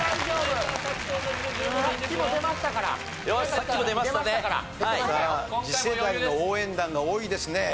さあ次世代の応援団が多いですね。